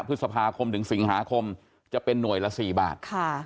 พฤษภาคมถึงสิงหาคมจะเป็นหน่วยละ๔บาท